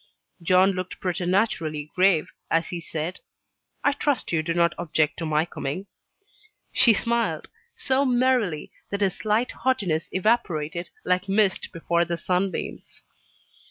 John looked preternaturally grave, as he said, "I trust you do not object to my coming?" She smiled so merrily, that his slight haughtiness evaporated like mist before the sunbeams.